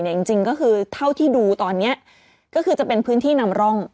จริงก็คือเท่าที่ดูตอนนี้ก็คือจะเป็นพื้นที่นำร่อง